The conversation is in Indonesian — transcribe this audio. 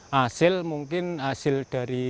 hasil mungkin hasil dari